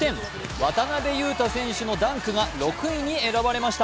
渡邊雄太選手のダンクが６位に選ばれました。